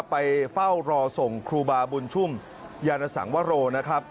ไปเฝ้ารอส่งครูบาบุญชุ่มยานสังวโรนะครับ